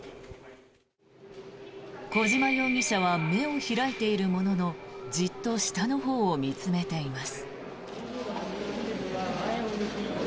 小島容疑者は目を開いているもののじっと下のほうを見つめています。